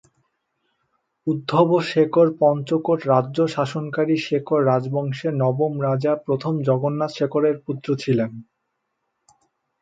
উদ্ধব শেখর পঞ্চকোট রাজ্য শাসনকারী শেখর রাজবংশের নবম রাজা প্রথম জগন্নাথ শেখরের পুত্র ছিলেন।